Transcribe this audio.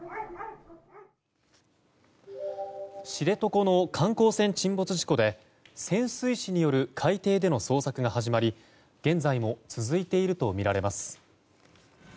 知床の観光船沈没事故で潜水士による海底での捜索が始まり現在も続いているとみられます。